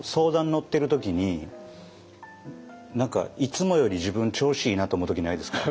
乗ってる時に何かいつもより自分調子いいなと思う時ないですか？